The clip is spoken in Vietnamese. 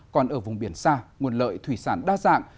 còn ở vùng biển xa nguồn lợi thủy sản đa dạng